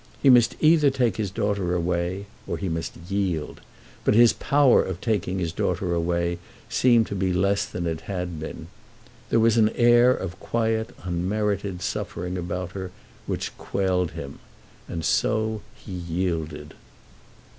He must either take his daughter away, or he must yield. But his power of taking his daughter away seemed to be less than it had been. There was an air of quiet, unmerited suffering about her, which quelled him. And so he yielded.